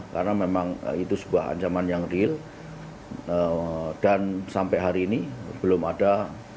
karena memang itu sebuah ancaman yang real dan sampai hari ini belum ada